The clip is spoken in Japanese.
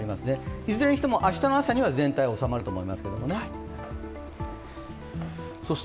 いずれにしても明日の朝には全体、収まると思います。